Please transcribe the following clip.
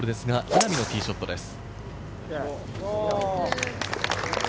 稲見のティーショットです。